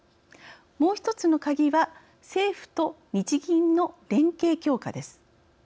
もう一つのカギは政府と日銀の連携強化です。